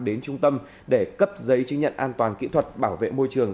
đến trung tâm để cấp giấy chứng nhận an toàn kỹ thuật bảo vệ môi trường